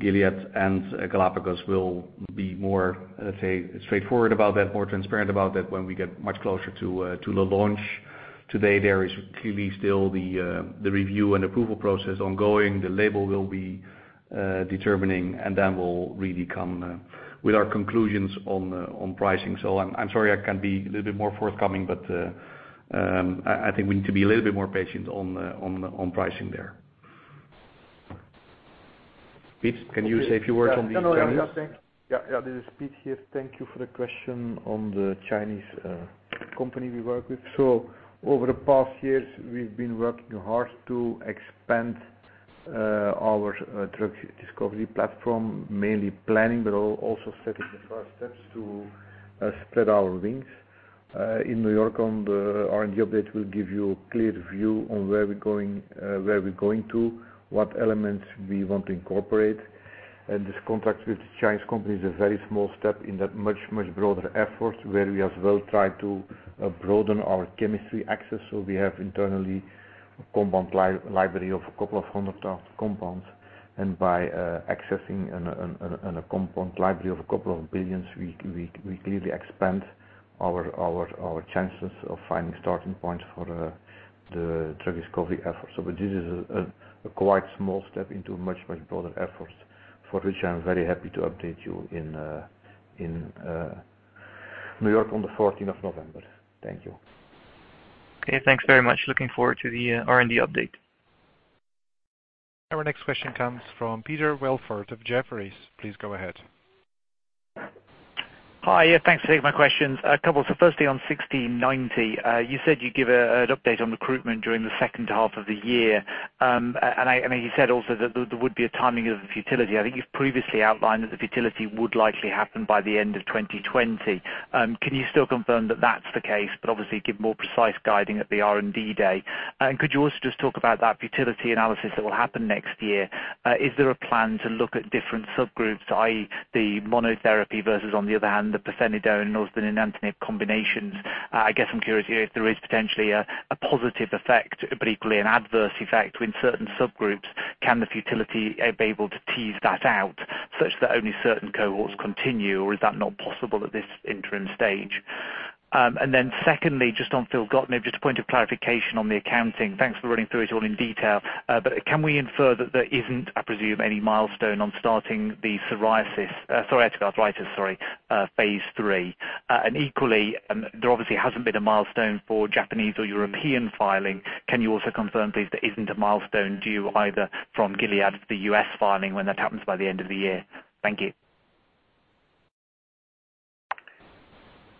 Gilead and Galapagos will be more, let's say, straightforward about that, more transparent about that when we get much closer to the launch. Today, there is clearly still the review and approval process ongoing. The label will be determining, and then we'll really come with our conclusions on pricing. I'm sorry I can't be a little bit more forthcoming, but I think we need to be a little bit more patient on pricing there. Piet, can you say a few words on the Chinese? Yeah. This is Piet here. Thank you for the question on the Chinese company we work with. Over the past years, we've been working hard to expand our drug discovery platform, mainly planning, but also setting the first steps to spread our wings. In New York on the R&D update, we'll give you a clear view on where we're going to, what elements we want to incorporate. This contract with the Chinese company is a very small step in that much, much broader effort where we as well try to broaden our chemistry access. We have internally a compound library of a couple of hundred thousand compounds, and by accessing a compound library of a couple of billions, we clearly expand our chances of finding starting points for the drug discovery efforts. This is a quite small step into much, much broader efforts for which I'm very happy to update you in New York on the 14th of November. Thank you. Okay, thanks very much. Looking forward to the R&D update. Our next question comes from Peter Welford of Jefferies. Please go ahead. Hi. Yeah, thanks for taking my questions. A couple. Firstly, on GLPG1690, you said you'd give an update on recruitment during the second half of the year. You said also that there would be a timing of the futility. I think you've previously outlined that the futility would likely happen by the end of 2020. Can you still confirm that that's the case, but obviously give more precise guiding at the R&D day? Could you also just talk about that futility analysis that will happen next year? Is there a plan to look at different subgroups, i.e., the monotherapy versus, on the other hand, the paclitaxel and osmanemtin combinations? I guess I'm curious if there is potentially a positive effect, but equally an adverse effect in certain subgroups. Can the futility be able to tease that out such that only certain cohorts continue, or is that not possible at this interim stage? Secondly, just on filgotinib, just a point of clarification on the accounting. Thanks for running through it all in detail. Can we infer that there isn't, I presume, any milestone on starting the psoriasis, psoriatic arthritis, sorry, phase III? Equally, there obviously hasn't been a milestone for Japanese or European filing. Can you also confirm, please, there isn't a milestone due either from Gilead, the U.S. filing, when that happens by the end of the year? Thank you.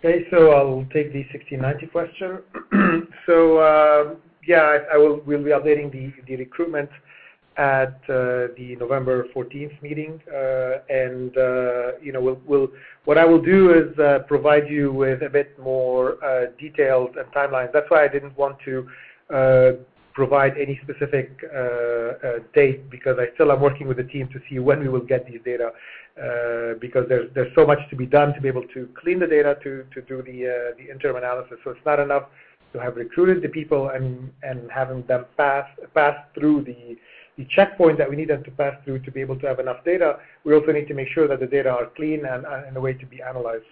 Okay, I'll take the GLPG1690 question. Yeah, we'll be updating the recruitment at the November 14th meeting. What I will do is provide you with a bit more details and timelines. That's why I didn't want to provide any specific date because I still am working with the team to see when we will get the data, because there's so much to be done to be able to clean the data, to do the interim analysis. It's not enough to have recruited the people and having them pass through the checkpoint that we need them to pass through to be able to have enough data. We also need to make sure that the data are clean and in a way to be analyzed.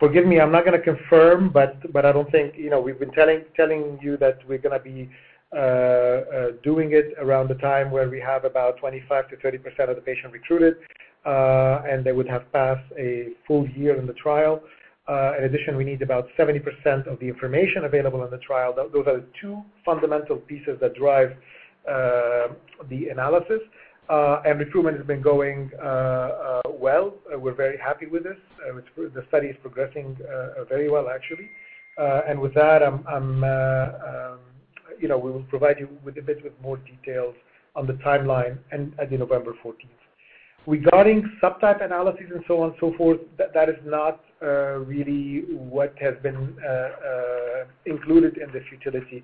Forgive me, I'm not going to confirm, but I don't think we've been telling you that we're going to be doing it around the time where we have about 25% to 30% of the patient recruited, and they would have passed a full year in the trial. In addition, we need about 70% of the information available on the trial. Those are the two fundamental pieces that drive the analysis. Recruitment has been going well. We're very happy with this. The study is progressing very well, actually. With that, we will provide you with a bit with more details on the timeline at the November 14th. Regarding subtype analyses and so on and so forth, that is not really what has been included in this futility.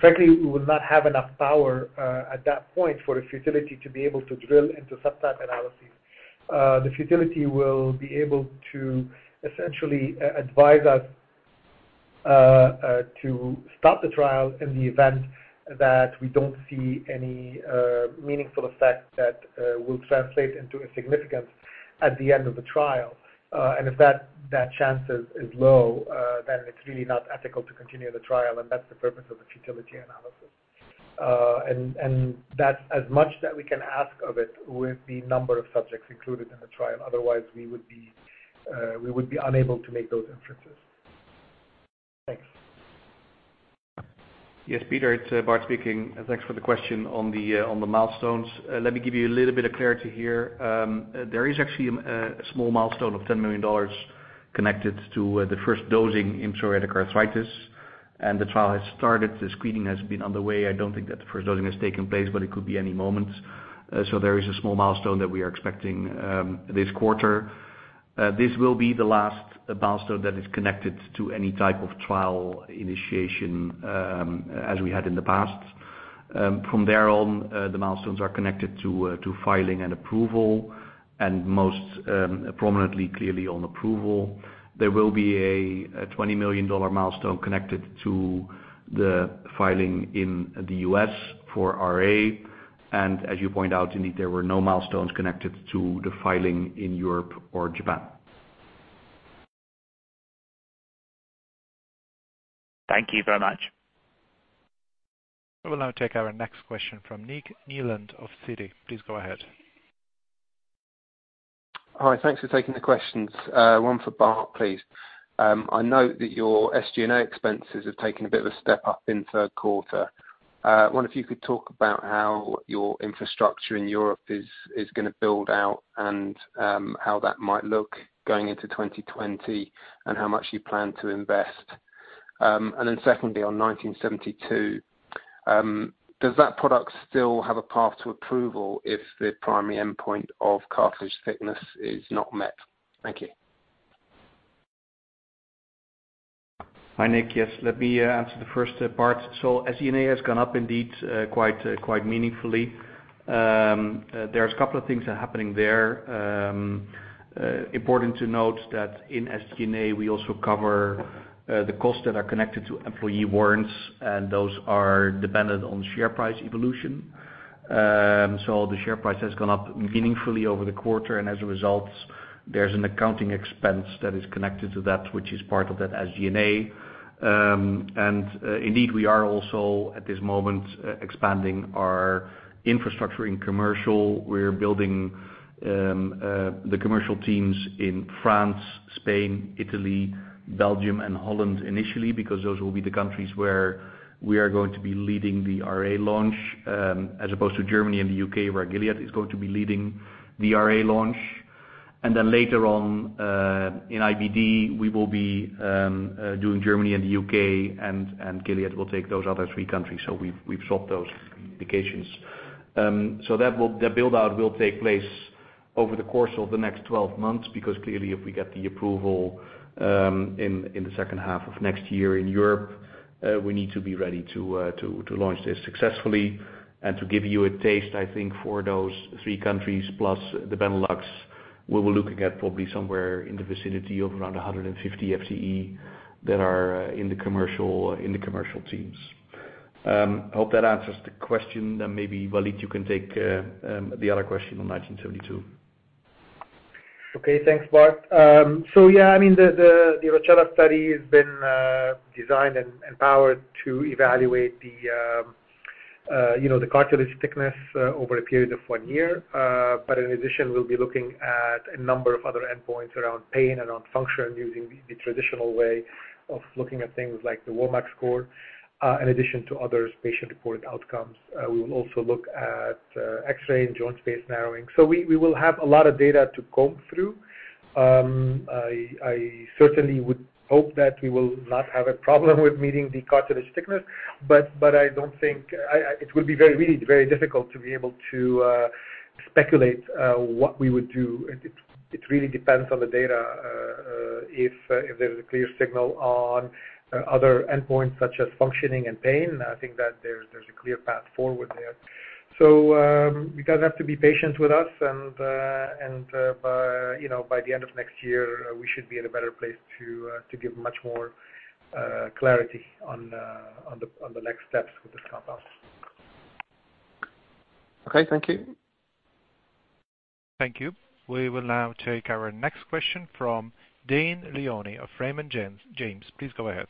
Frankly, we will not have enough power at that point for a futility to be able to drill into subtype analyses. The futility will be able to essentially advise us to stop the trial in the event that we don't see any meaningful effect that will translate into a significance at the end of the trial. If that chance is low, it's really not ethical to continue the trial, and that's the purpose of a futility analysis. That's as much that we can ask of it with the number of subjects included in the trial. Otherwise, we would be unable to make those inferences. Thanks. Yes, Peter, it's Bart speaking. Thanks for the question on the milestones. Let me give you a little bit of clarity here. There is actually a small milestone of EUR 10 million connected to the first dosing in psoriatic arthritis, and the trial has started. The screening has been on the way. I don't think that the first dosing has taken place, but it could be any moment. There is a small milestone that we are expecting this quarter. This will be the last milestone that is connected to any type of trial initiation as we had in the past. From there on, the milestones are connected to filing and approval and most prominently, clearly on approval. There will be a EUR 20 million milestone connected to the filing in the U.S. for RA. As you point out, indeed, there were no milestones connected to the filing in Europe or Japan. Thank you very much. We will now take our next question from Nick Nieland of Citi. Please go ahead. Hi. Thanks for taking the questions. One for Bart, please. I note that your SG&A expenses have taken a bit of a step up in third quarter. I wonder if you could talk about how your infrastructure in Europe is going to build out and how that might look going into 2020, and how much you plan to invest. Secondly, on GLPG1972, does that product still have a path to approval if the primary endpoint of cartilage thickness is not met? Thank you. Hi, Nick. Yes. Let me answer the first part. SG&A has gone up indeed quite meaningfully. There's a couple of things happening there. Important to note that in SG&A, we also cover the costs that are connected to employee warrants, and those are dependent on share price evolution. The share price has gone up meaningfully over the quarter, and as a result, there's an accounting expense that is connected to that, which is part of that SG&A. Indeed, we are also at this moment expanding our infrastructure in commercial. We're building the commercial teams in France, Spain, Italy, Belgium, and Holland initially, because those will be the countries where we are going to be leading the RA launch, as opposed to Germany and the U.K., where Gilead is going to be leading the RA launch. Later on, in IBD, we will be doing Germany and the U.K. and Gilead will take those other three countries. We've swapped those locations. That build-out will take place over the course of the next 12 months because clearly if we get the approval in the second half of next year in Europe, we need to be ready to launch this successfully and to give you a taste, I think for those three countries plus the Benelux, we were looking at probably somewhere in the vicinity of around 150 FTE that are in the commercial teams. I hope that answers the question. Maybe Walid, you can take the other question on 1972. Okay. Thanks, Bart. Yeah, the ROCCELLA study has been designed and powered to evaluate the cartilage thickness over a period of one year. In addition, we'll be looking at a number of other endpoints around pain and around function using the traditional way of looking at things like the WOMAC score, in addition to other patient-reported outcomes. We will also look at X-ray and joint space narrowing. We will have a lot of data to comb through. I certainly would hope that we will not have a problem with meeting the cartilage thickness, it would be really very difficult to be able to speculate what we would do. It really depends on the data. If there's a clear signal on other endpoints such as functioning and pain, I think that there's a clear path forward there. You guys have to be patient with us and by the end of next year, we should be in a better place to give much more clarity on the next steps with this compound. Okay, thank you. Thank you. We will now take our next question from Dane Leone of Raymond James. Please go ahead.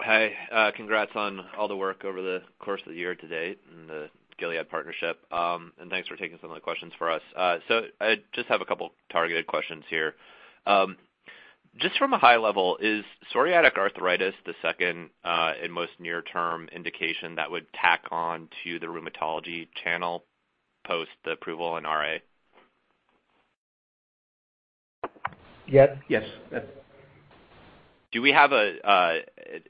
Hi. Congrats on all the work over the course of the year to date and the Gilead partnership. Thanks for taking some of the questions for us. I just have a couple targeted questions here. Just from a high level, is psoriatic arthritis the second and most near-term indication that would tack on to the rheumatology channel post the approval in RA? Yes. Do we have an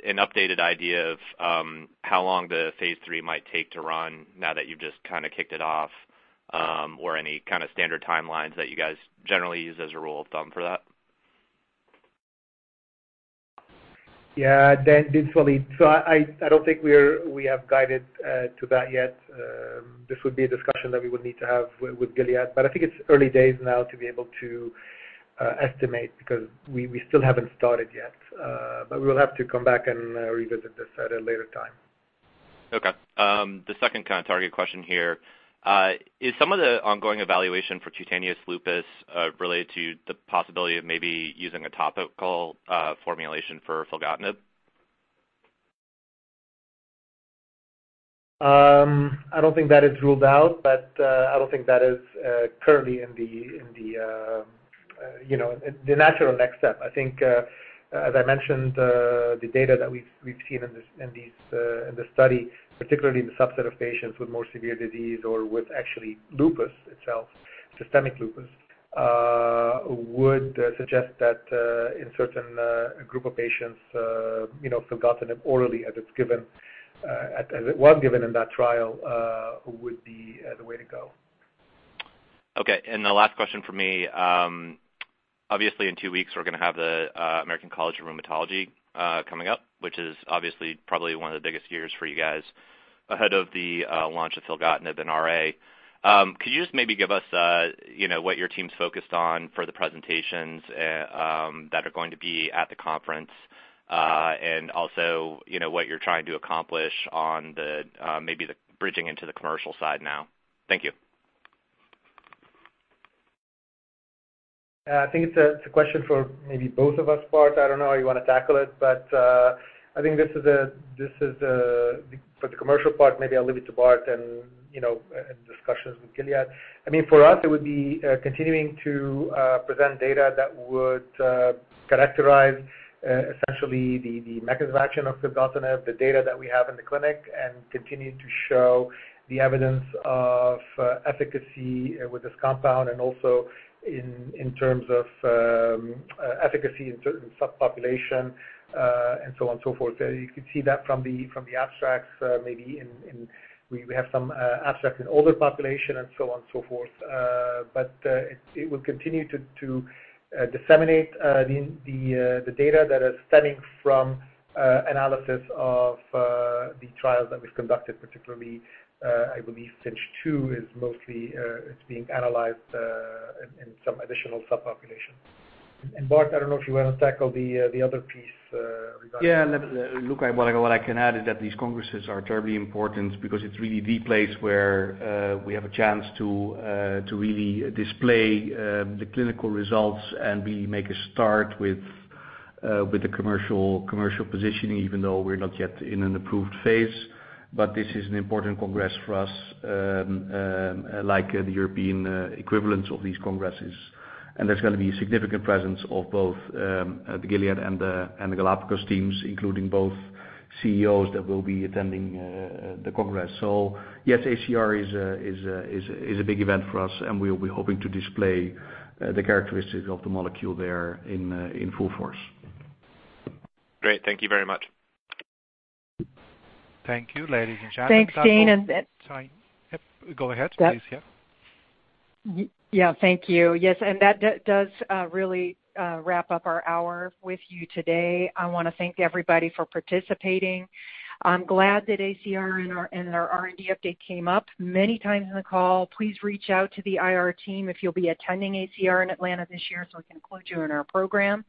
updated idea of how long the phase III might take to run now that you've just kicked it off? Or any kind of standard timelines that you guys generally use as a rule of thumb for that? Yeah, Dane. This is Walid. I don't think we have guided to that yet. This would be a discussion that we would need to have with Gilead, but I think it's early days now to be able to estimate, because we still haven't started yet. We'll have to come back and revisit this at a later time. Okay. The second target question here. Is some of the ongoing evaluation for cutaneous lupus related to the possibility of maybe using a topical formulation for filgotinib? I don't think that is ruled out, but I don't think that is currently the natural next step. I think, as I mentioned, the data that we've seen in the study, particularly in the subset of patients with more severe disease or with actually lupus itself, systemic lupus, would suggest that in certain group of patients, filgotinib orally as it was given in that trial, would be the way to go. Okay, the last question from me. Obviously, in two weeks, we're going to have the American College of Rheumatology coming up, which is obviously probably one of the biggest years for you guys ahead of the launch of filgotinib and RA. Could you just maybe give us what your team's focused on for the presentations that are going to be at the conference? Also, what you're trying to accomplish on maybe the bridging into the commercial side now. Thank you. I think it's a question for maybe both of us, Bart. I don't know how you want to tackle it. I think for the commercial part, maybe I'll leave it to Bart and discussions with Gilead. For us, it would be continuing to present data that would characterize essentially the mechanism of action of filgotinib, the data that we have in the clinic, and continue to show the evidence of efficacy with this compound and also in terms of efficacy in certain subpopulation, and so on and so forth. You could see that from the abstracts, maybe we have some abstracts in older population and so on and so forth. It will continue to disseminate the data that is stemming from analysis of the trials that we've conducted, particularly, I believe FINCH 2 is mostly being analyzed in some additional subpopulations. Bart, I don't know if you want to tackle the other piece. Look, what I can add is that these congresses are terribly important because it's really the place where we have a chance to really display the clinical results and really make a start with the commercial positioning, even though we're not yet in an approved phase. This is an important congress for us, like the European equivalents of these congresses. There's going to be significant presence of both the Gilead and the Galapagos teams, including both CEOs that will be attending the congress. Yes, ACR is a big event for us, and we'll be hoping to display the characteristics of the molecule there in full force. Great. Thank you very much. Thank you, ladies and gentlemen. Thanks, Dane. Go ahead please, yeah. Yeah, thank you. Yes. That does really wrap up our hour with you today. I want to thank everybody for participating. I am glad that ACR and our R&D update came up many times in the call. Please reach out to the IR team if you'll be attending ACR in Atlanta this year so we can include you in our program.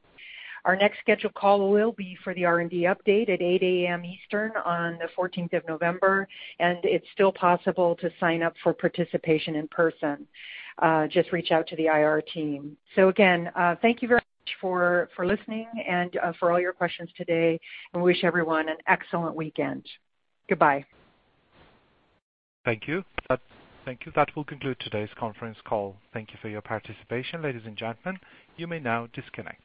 Our next scheduled call will be for the R&D update at 8:00 A.M. Eastern on the 14th of November. It's still possible to sign up for participation in person. Just reach out to the IR team. Again, thank you very much for listening and for all your questions today. We wish everyone an excellent weekend. Goodbye. Thank you. That will conclude today's conference call. Thank you for your participation, ladies and gentlemen. You may now disconnect.